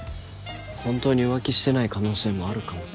本当に浮気してない可能性もあるかも。